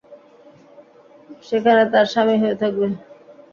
সেখানে তারা স্থায়ী হয়ে থাকবে।